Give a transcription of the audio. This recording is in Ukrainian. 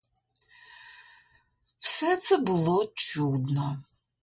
Все це було чудно.